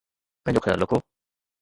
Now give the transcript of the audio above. پنهنجو خيال رکو